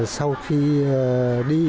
sau khi đi